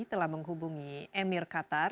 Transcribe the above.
telah menghubungi emir qatar